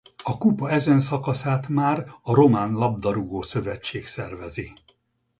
A kupa ezen szakaszát már a Román labdarúgó-szövetség szervezi.